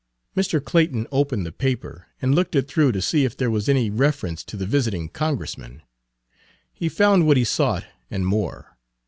Mr. Clayton opened the paper and looked it through to see if there was any reference to the visiting Congressman. He found what he sought and more.